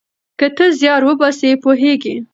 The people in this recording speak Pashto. که ته زیار وباسې پوهیږې.